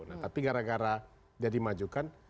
nah tapi gara gara dia dimajukan